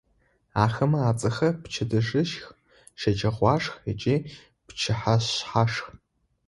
Ахэмэ ацӏэхэр: пчэдыжьышх, щэджэгъуашх ыкӏи пчыхьэшъхьашх.